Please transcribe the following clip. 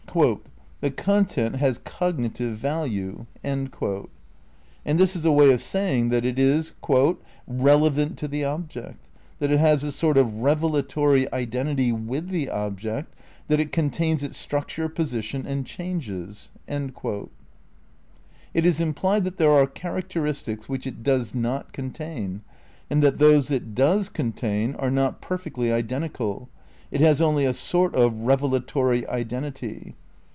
"The content has cognitive Value." And this is "a way of saying" that it is "relevant to the object, that it has a sort of revelatory identity with the object, that it contains its structure, position, and changes." ' It is implied that there are characteristics which it does not contain and that those it does contain are not perfectly identical ; it has only '' a sort of '' revelatory identity.